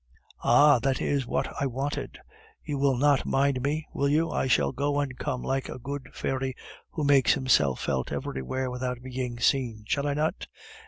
"Ah! that is what I wanted. You will not mind me, will you? I shall go and come like a good fairy who makes himself felt everywhere without being seen, shall I not?